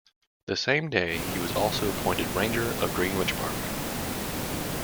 The same day he was also appointed Ranger of Greenwich Park.